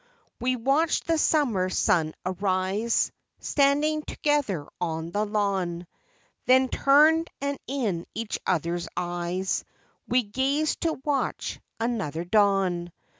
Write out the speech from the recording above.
We watched the summer sun arise, Standing together on the lawn ; Then turned, and in each other's eyes We gazed to watch another dawn.